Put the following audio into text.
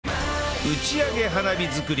打ち上げ花火作り